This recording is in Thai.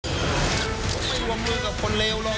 พบดีค่ะต้อนรับคุณผู้ชมเข้าสู่ชูวิทย์ตีแสกหน้านะคะคุณชูวิทย์